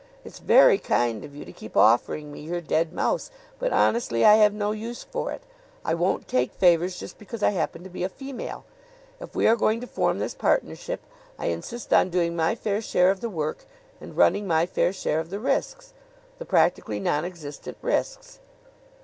It's very kind of you to keep offering me your dead mouse; but honestly I have no use for it. I won't take favors just because I happen to be a female. If we are going to form this partnership I insist on doing my fair share of the work and running my fair share of the risks the practically nonexistent risks."